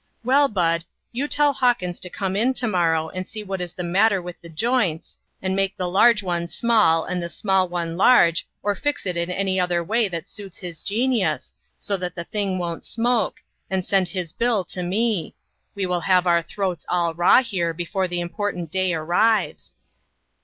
Well, Bud, you tell Hawkins to come 228 INTERRUPTED. in to morrow, and see what is the matter with the joints, and make the large one small and the small one large, or fix it in any other way that suits his genius, so that the thing won't smoke, and send his bill to me. We will have our throats all raw here, before the important day arrives."